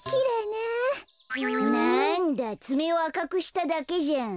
なんだつめをあかくしただけじゃん。